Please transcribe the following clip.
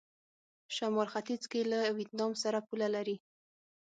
شمال ختيځ کې له ویتنام سره پوله لري.